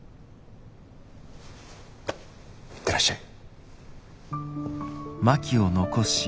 行ってらっしゃい。